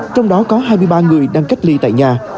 trong đó có hai mươi ba người đang cách ly tại nhà